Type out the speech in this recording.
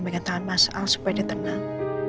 mengantar mas al supaya dia tenang